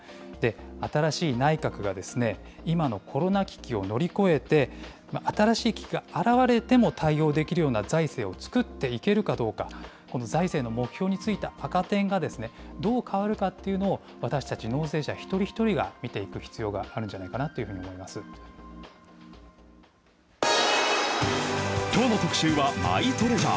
新しい内閣が今のコロナ危機を乗り越えて、新しい危機が現れても対応できるような財政を作っていけるかどうか、この財政の目標についた赤点が、どう変わるかっていうのを、私たち納税者一人一人が見ていく必要があるんじゃないかなというきょうの特集はマイトレジャー。